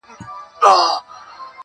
خو خدای له هر یوه سره مصروف په ملاقات دی.